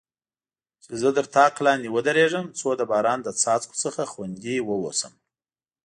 چې زه تر طاق لاندې ودریږم، څو د باران له څاڅکو څخه خوندي واوسم.